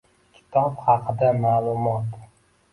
Kitob haqida ma'lumot: